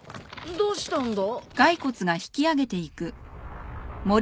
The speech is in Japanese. どうしたんだ？